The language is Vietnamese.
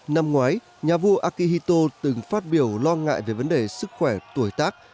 năm ngoái nhà vua akihito từng phát biểu lo ngại về vấn đề sức khỏe tuổi tác